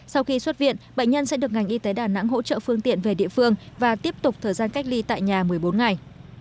sau khi xuất viện bệnh nhân sẽ được ngành y tế đà nẵng hỗ trợ phương tiện về địa phương và tiếp tục thời gian cách ly tại nhà một mươi bốn ngày